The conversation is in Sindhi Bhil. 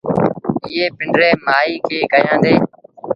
ائيٚݩ پنڊريٚ مآئيٚ کي ڪهيآندي۔